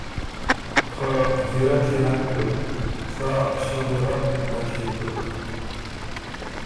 خه ځیرک يې نک بیوک سا ݭُونډي غُندک يې بیوک۔